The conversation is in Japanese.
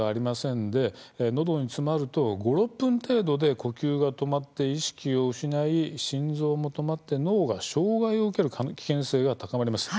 のどに詰まると５、６分程度で呼吸が止まって意識を失い心臓も止まって脳が障害を受ける危険性が高まります。